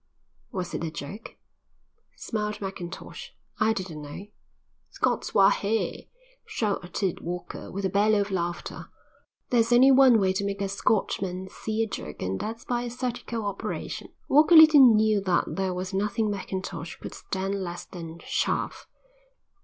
"Was it a joke?" smiled Mackintosh. "I didn't know." "Scots wha hae!" shouted Walker, with a bellow of laughter. "There's only one way to make a Scotchman see a joke and that's by a surgical operation." Walker little knew that there was nothing Mackintosh could stand less than chaff.